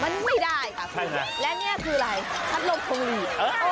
มันไม่ได้ค่ะและนี่คืออะไรพัดลมพวงหลีด